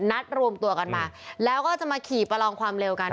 นัดรวมตัวกันมาแล้วก็จะมาขี่ประลองความเร็วกัน